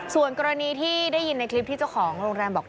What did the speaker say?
ส่วนกรณีที่ได้ยินในคลิปที่เจ้าของโรงแรมบอก